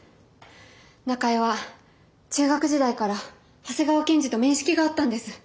中江は中学時代から長谷川検事と面識があったんです。